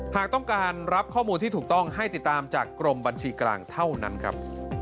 หากต้องการรับข้อมูลที่ถูกต้องให้ติดตามจากกรมบัญชีกลางเท่านั้นครับ